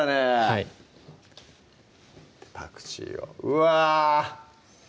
はいパクチーをうわ！